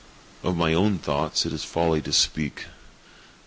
Of my own thoughts it is folly to speak.